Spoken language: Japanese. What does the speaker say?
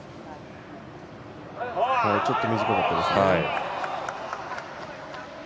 ちょっと短かったですね。